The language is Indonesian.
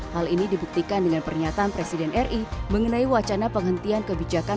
hal ini dibuktikan dengan pernyataan presiden ri mengenai wacana penghentian kebijakan